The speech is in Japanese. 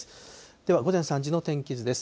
では午前３時の天気図です。